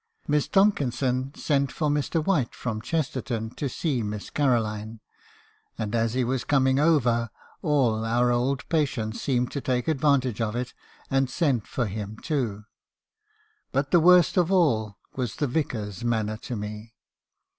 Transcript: "Miss Tomkinson sent for Mr. White, from Chesterton to see Miss Caroline ; and, as he was coming over, all our old patients seemed to take advantage of it, and send for him too. "But the worst of all was the Vicar's manner to me.